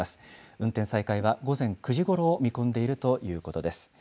運転再開は午前９時ごろを見込んでいるということです。